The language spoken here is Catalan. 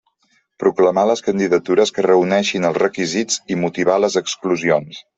Proclamar les candidatures que reuneixin els requisits i motivar les exclusions.